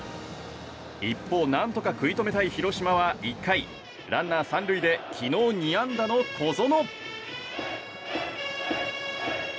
一方、何とか食い止めたい広島は１回ランナー３塁で昨日２安打の小園。